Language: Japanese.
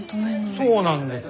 そうなんです。